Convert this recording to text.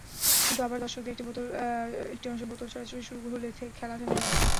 কিন্তু আবারও দর্শকদের একটি অংশে বোতল ছোড়াছুড়ি শুরু হলে খেলা থেমে যায়।